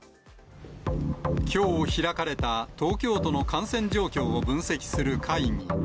きょう開かれた東京都の感染状況を分析する会議。